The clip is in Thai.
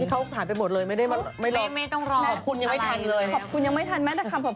นี่เขาผ่านไปหมดเลยไม่ได้มารอบ